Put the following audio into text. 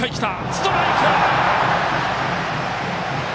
ストライク！